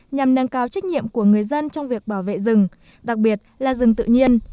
nhằm nâng cao trách nhiệm của người dân trong việc bảo vệ rừng đặc biệt là rừng tự nhiên